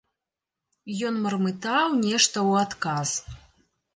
Ён мармытаў нешта ў адказ.